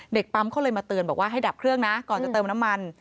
ปั๊มเขาเลยมาเตือนบอกว่าให้ดับเครื่องนะก่อนจะเติมน้ำมัน